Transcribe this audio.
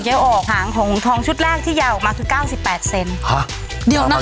หางของหงกฐองชุดแรกที่ยาวออกมาคือ๙๘เซนนิดนึงค่ะ